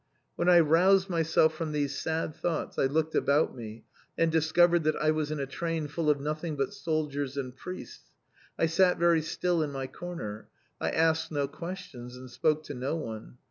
When I roused myself from these sad thoughts, I looked about me and discovered that I was in a train full of nothing but soldiers and priests. I sat very still in my corner. I asked no questions, and spoke to no one.